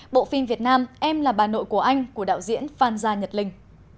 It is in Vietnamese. bộ phim việt nam em là bà nội của anh của đạo diễn phan gia nhật linh